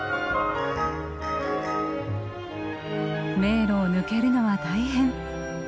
迷路を抜けるのは大変。